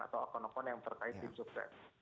atau akun akun yang terkait tim sukses